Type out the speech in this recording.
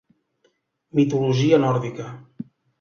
Mitologia nòrdica.